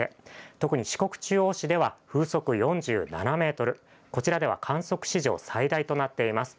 特に四国中央市では風速４７メートル、こちらでは観測史上最大となっています。